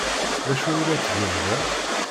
D acu ay la ttgen da?